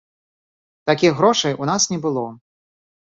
Такіх грошай у нас не было.